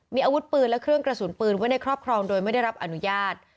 มีอาวุธปืนและเครื่องกระสุนปืนไว้ในครอบครองโดยไม่ได้รับอนุญาต